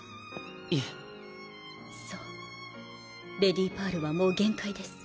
いえそうレディパールはもう限界です